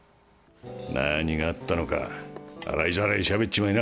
何があったのか洗いざらいしゃべっちまいな。